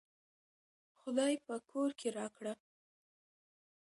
خداى په کور کې راکړه